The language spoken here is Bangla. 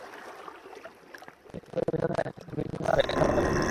একই ল্যাপটপের ভিন্ন ভিন্ন অ্যাপে যেমন ভিন্ন ভিন্ন কাজ হয়, এটাও তেমনই।